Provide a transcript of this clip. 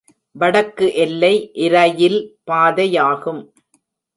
வடக்கு எல்லை இரயில் பாதையாகும்.